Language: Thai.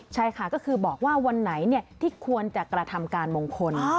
ใช่ค่ะก็คือบอกว่าวันไหนที่ควรจะกระทำการมงคล